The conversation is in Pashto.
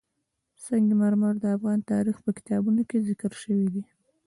سنگ مرمر د افغان تاریخ په کتابونو کې ذکر شوی دي.